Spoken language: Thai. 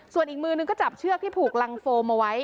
ส่วนอีกมือนึงก็จับเชือกที่ผูกรังโฟมเอาไว้